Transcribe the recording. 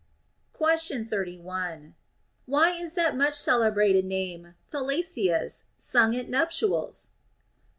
Question 31. Why is that so much celebrated name Thalassius sung at nuptials